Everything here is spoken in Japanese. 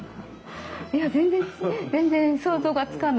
いや全然全然想像がつかないです。